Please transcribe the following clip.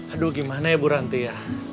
aduh gimana ya bu ranti ya